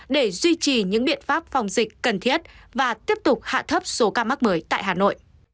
để duy trì những biện pháp phòng dịch cần thiết và tiếp tục hạ thấp số ca mắc mới tại hà nội